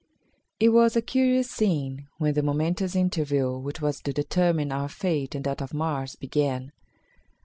It was a curious scene when the momentous interview which was to determine our fate and that of Mars began.